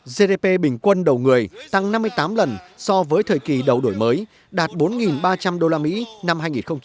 gdp bình quân đầu người tăng năm mươi tám lần so với thời kỳ đầu đổi mới đạt bốn ba trăm linh usd năm hai nghìn một mươi tám